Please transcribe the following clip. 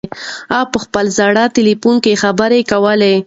هغه په خپل زوړ تلیفون کې خبرې کولې.